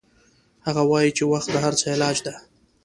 هغه وایي چې وخت د هر څه علاج ده